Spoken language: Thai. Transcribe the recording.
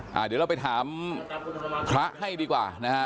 เดี๋ยวเราไปถามพระให้ดีกว่านะฮะ